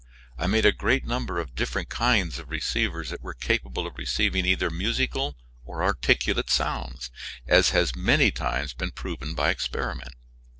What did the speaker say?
I made a great number of different kinds of receivers that were capable of receiving either musical or articulate sounds, as has many times been proven by experiment.